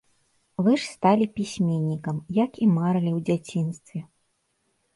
Вы ж сталі пісьменнікам, як і марылі ў дзяцінстве.